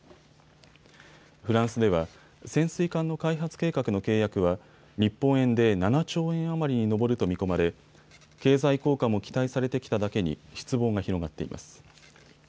フランスでは潜水艦の開発計画の契約は日本円で７兆円余りに上ると見込まれ経済効果も期待されてきただけに失望が広がっています。